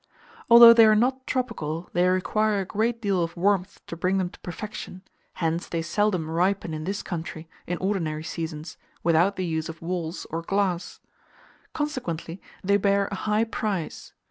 Although they are not tropical, they require a great deal of warmth to bring them to perfection: hence they seldom ripen in this country, in ordinary seasons, without the use of walls or glass; consequently, they bear a high price.